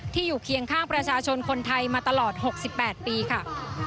อยู่เคียงข้างประชาชนคนไทยมาตลอด๖๘ปีค่ะ